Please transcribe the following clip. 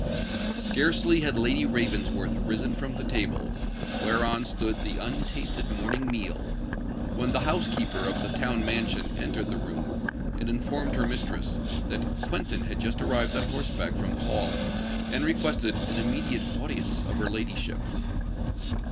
Scarcely had Lady Ravensworth risen from the table, whereon stood the untasted morning meal, when the housekeeper of the town mansion entered the room, and informed her mistress that Quentin had just arrived on horseback from the Hall, and requested an immediate audience of her ladyship.